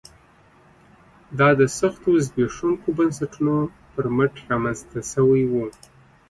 دا د سختو زبېښونکو بنسټونو پر مټ رامنځته شوی و